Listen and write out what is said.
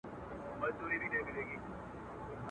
پیا له پر تشېدو ده څوک به ځي څوک به راځي.